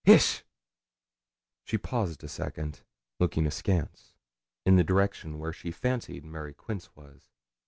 Hish!' She paused a second, looking askance, in the direction where she fancied Mary Quince was.